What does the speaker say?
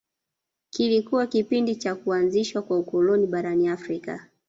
Kilikuwa kipindi cha kuanzishwa kwa ukoloni barani Afrika